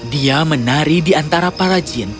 dia menari di antara para jin